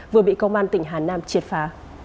vừa bị công an tỉnh hà nam triệt phá